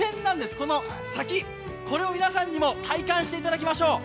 この先、これを皆さんにも体感していただきましょう。